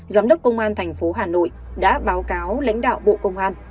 giám đốc công an tp hà nội đã báo cáo lãnh đạo bộ công an